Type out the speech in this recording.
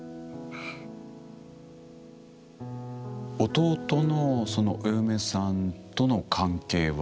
弟のそのお嫁さんとの関係は？